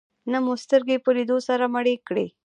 نه مو سترګې په لیدو سره مړې کړې.